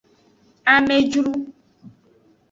Amejru.